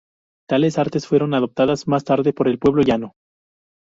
Tales artes fueron adoptadas más tarde por el pueblo llano.